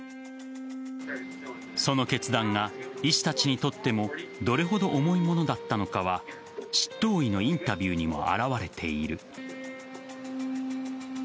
その決断が医師たちにとってもどれほど重いものだったのかは執刀医のインタビューにも表れている。